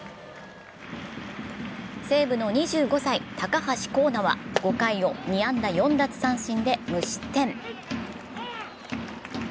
西武の２５歳、高橋光成は５回を２安打４奪三振で無失点。